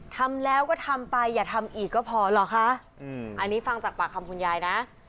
ทำแล้วก็ทำไปอย่าทำอีกก็พอเหรอคะอืมอันนี้ฟังจากปากคำคุณยายนะ